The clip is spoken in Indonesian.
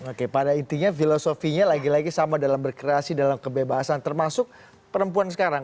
oke pada intinya filosofinya lagi lagi sama dalam berkreasi dalam kebebasan termasuk perempuan sekarang